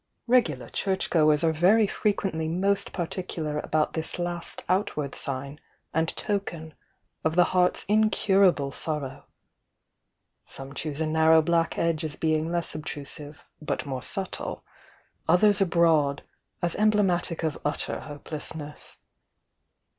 Regular church goers are very frequently most particular about this last outward sign and token of the heart's incurable sor row; some choose a narrow black edge as being less obtrusive but, more subtle. others a broad, as em blematic of utter hopelessness.